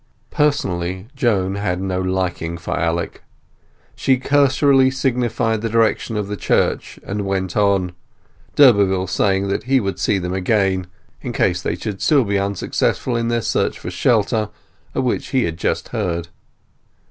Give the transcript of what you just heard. Personally Joan had no liking for Alec. She cursorily signified the direction of the church, and went on, d'Urberville saying that he would see them again, in case they should be still unsuccessful in their search for shelter, of which he had just heard.